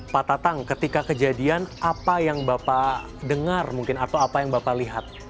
pak tatang ketika kejadian apa yang bapak dengar mungkin atau apa yang bapak lihat